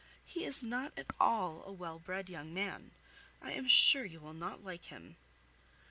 He is not at all a well bred young man. I am sure you will not like him."